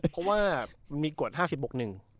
เพราะว่ามีกฎ๕๐บก๑